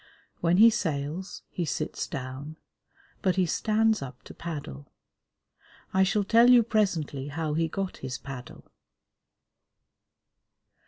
When he sails, he sits down, but he stands up to paddle. I shall tell you presently how he got his paddle.